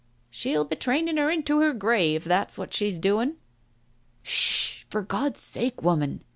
"She'll be training her into her grave, that's what she's doing." "Sh— h ! for God's sake, woman